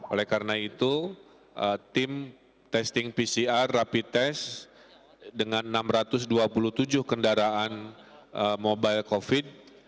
oleh karena itu tim testing pcr rapid test dengan enam ratus dua puluh tujuh kendaraan mobile covid